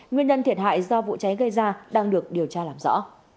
nguyên nhân thiệt hại do vụ cháy gây ra đang được điều tra làm rõ